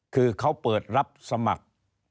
คือเขาเปิดรับสมัคร